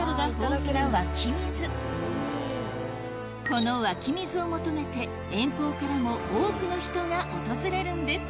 この湧き水を求めて遠方からも多くの人が訪れるんです